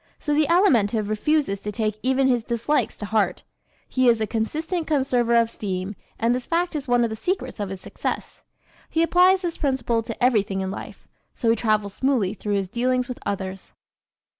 So the Alimentive refuses to take even his dislikes to heart. He is a consistent conserver of steam and this fact is one of the secrets of his success. He applies this principle to everything in life. So he travels smoothly through his dealings with others.